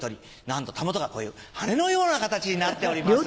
なんと袂がこういう羽のような形になっております。